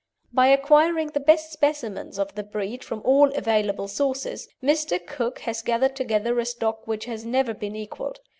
By acquiring the best specimens of the breed from all available sources, Mr. Cooke has gathered together a stock which has never been equalled.